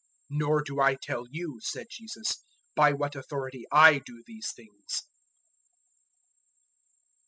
"Nor do I tell you," said Jesus, "by what authority I do these things."